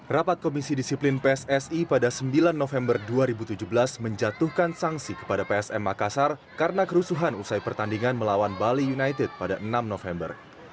rapat komisi disiplin pssi pada sembilan november dua ribu tujuh belas menjatuhkan sanksi kepada psm makassar karena kerusuhan usai pertandingan melawan bali united pada enam november